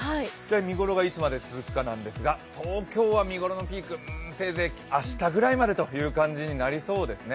見頃がいつまで続くかなんですが、東京は見頃のピーク、せいぜい明日ぐらいまでという感じになりそうですね。